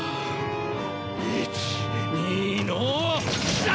１２の３！